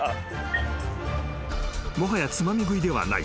［もはやつまみ食いではない］